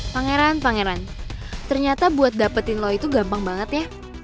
pangeran pangeran ternyata buat dapetin law itu gampang banget ya